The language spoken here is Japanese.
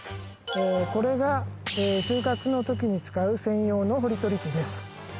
これが収穫の時に使う専用の掘り取り機です